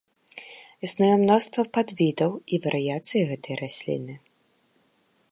Існуе мноства падвідаў і варыяцый гэтай расліны.